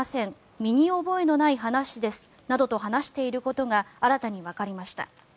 身に覚えのない話ですなどと話していることが新たにわかりました。